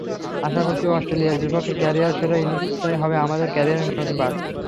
আশা করছি, অস্ট্রেলিয়ার বিপক্ষে ক্যারিয়ার-সেরা ইনিংসটাই হবে আমার ক্যারিয়ারের নতুন বাঁক।